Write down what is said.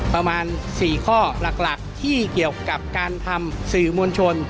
ประมาณ๔ข้อหลักที่เกี่ยวกับการทำสื่อมวลชน